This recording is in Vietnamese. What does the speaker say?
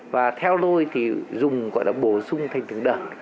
và theo tôi thì dùng gọi là bổ sung thành từng đợt